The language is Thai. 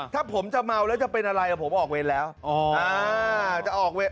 ถ้าผมจะเมาแล้วจะเป็นอะไรผมออกเวรแล้วอ๋ออ่าจะออกเวร